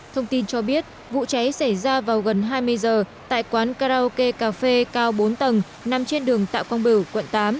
thông tin cho biết vụ cháy xảy ra vào gần hai mươi giờ tại quán karaoke cà phê cao bốn tầng nằm trên đường tạ quang bửu quận tám